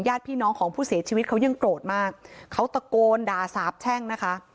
พี่น้องของผู้เสียชีวิตเขายังโกรธมากเขาตะโกนด่าสาบแช่งนะคะ